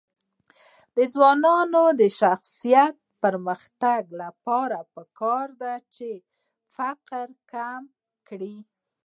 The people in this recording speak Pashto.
د ځوانانو د شخصي پرمختګ لپاره پکار ده چې فقر کم کړي.